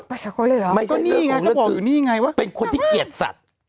พูดภาษาคนเลยเหรอก็นี่ไงก็บอกนี่ไงวะเป็นคนที่เกลียดสัตว์อ๋อ